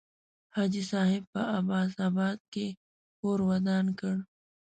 حاجي صاحب په عباس آباد کې کور ودان کړ.